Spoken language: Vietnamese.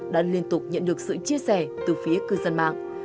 đã liên tục nhận được sự chia sẻ từ phía cư dân mạng